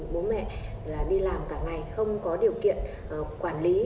bố mẹ là đi làm cả ngày không có điều kiện quản lý